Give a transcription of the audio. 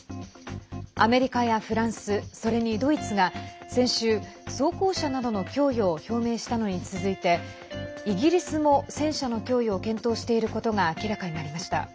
アメリカやフランスそれにドイツが先週、装甲車などの供与を表明したのに続いてイギリスも戦車の供与を検討していることが明らかになりました。